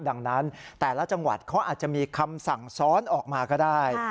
ดังนั้นแต่ละจังหวัดเขาอาจจะมีคำสั่งซ้อนออกมาก็ได้